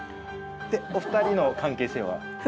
お二人の関係性は？